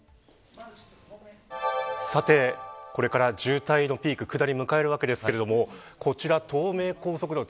これから渋滞のピークを下り、迎えるわけですがこちら東名高速道路。